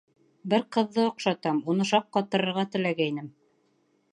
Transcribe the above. — Бер ҡыҙҙы оҡшатам, уны шаҡ ҡатырырға теләгәйнем.